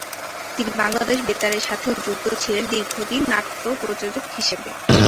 তিনি বাংলাদেশ বেতার-এর সাথেও যুক্ত ছিলেন দীর্ঘদিন নাট্য প্রযোজক হিসেবে।